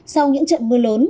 sau những trận mưa lốn